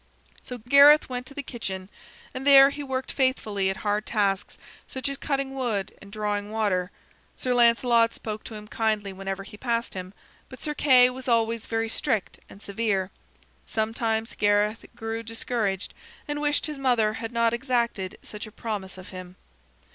So Gareth went to the kitchen. And there he worked faithfully at hard tasks, such as cutting wood and drawing water. Sir Lancelot spoke to him kindly whenever he passed him, but Sir Kay was always very strict and severe. Sometimes Gareth grew discouraged and wished his mother had not exacted such a promise of him.